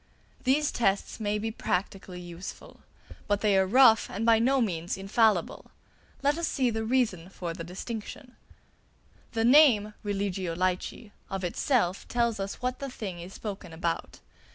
These tests may be practically useful; but they are rough and by no means infallible. Let us see the reason for the distinction. The name "Religio Laici" of itself tells us what thing is spoken about.